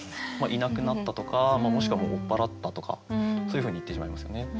いなくなったとかもしくは追っ払ったとかそういうふうに言ってしまいますよね。